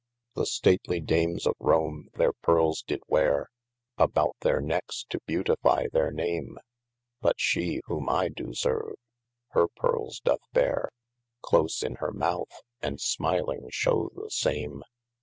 THE stately Dames of Rome, their Pearles did weare, About their neckes to beautifie their name: But she {whome I doe serve) hir pearles doth beare, Close in hir mouth, and smiling shewe, the same.